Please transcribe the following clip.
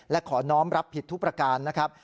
และขอน้องรับผิดทุกประการนะครับ